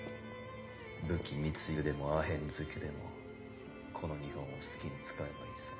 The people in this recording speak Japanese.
武器密輸でもアヘン漬けでもこの日本を好きに使えばいいさ。